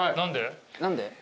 何で？